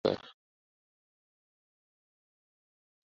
হত্যা-অপরাধ করিলেও নারী প্রাণদণ্ড হইতে অব্যাহতি পায়।